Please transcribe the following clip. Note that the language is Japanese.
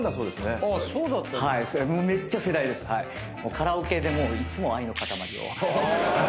カラオケでいつも『愛のかたまり』を。